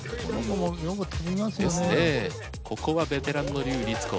ここはベテランの笠りつ子。